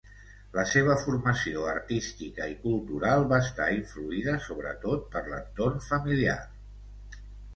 La seva formació artística i cultural va estar influïda sobretot per l'entorn familiar.